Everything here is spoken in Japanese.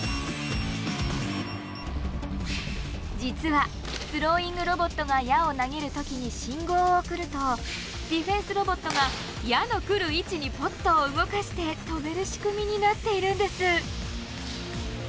実はスローイングロボットが矢を投げる時に信号を送るとディフェンスロボットが矢の来る位置にポットを動かして止める仕組みになっているんです。